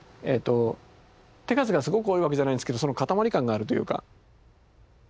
手数がすごく多いわけじゃないですけどかたまり感があるというか。